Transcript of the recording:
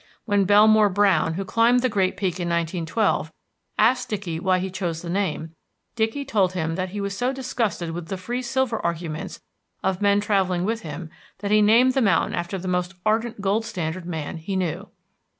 When Belmore Browne, who climbed the great peak in 1912, asked Dickey why he chose the name, Dickey told him that he was so disgusted with the free silver arguments of men travelling with him that he named the mountain after the most ardent gold standard man he knew.